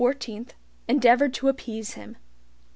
endeavored to appease him.